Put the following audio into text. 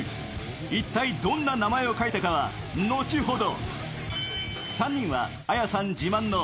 一体どんな名前を書いたかは、後ほど。